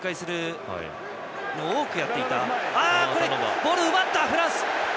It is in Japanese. ボール奪った、フランス！